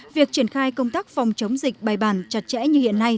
việc triển khai công tác phòng chống dịch bày bàn chặt chẽ như hiện nay